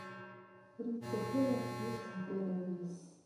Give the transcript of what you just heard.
Ur ittak ara afus deg warraw-is.